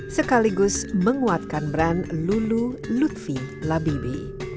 sekaligus menguatkan brand lulu lutfi labibi